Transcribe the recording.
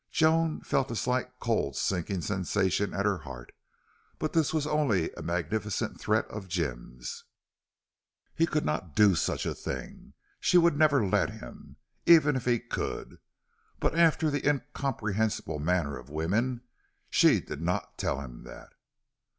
Joan felt a slight cold sinking sensation at her heart. But this was only a magnificent threat of Jim's. He could not do such a thing. She would never let him, even if he could. But after the incomprehensible manner of woman, she did not tell him that.